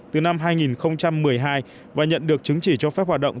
từ năm hai nghìn một mươi hai và nhận được chứng chỉ cho phép hoạt động